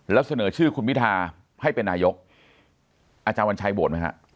แล้วเสนอชื่อคุณพิทาให้เป็นนายกอาจารย์วันชัยโหวตไหมฮะ